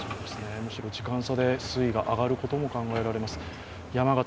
時間差で水位が上がることも考えられます。